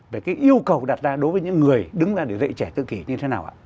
về cái yêu cầu đặt ra đối với những người đứng ra để dạy trẻ tự kỷ như thế nào ạ